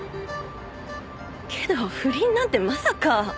けど不倫なんてまさか。